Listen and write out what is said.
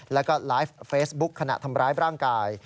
แล้วก็ไลฟ์เฟซบุ๊คขณะทำร้ายร่างกาย